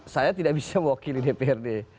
saya tidak bisa wakil di dprd